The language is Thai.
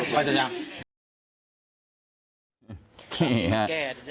ใครสัญญา